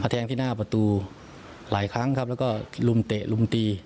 แทงที่หน้าประตูหลายครั้งครับแล้วก็ลุมเตะลุมตี